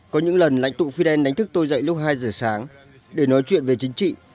có những lần lãnh tụ fidel đánh thức tôi dậy lúc hai giờ sáng để nói chuyện về chính trị